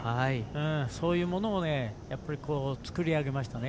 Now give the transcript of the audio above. そういうものを作り上げましたね。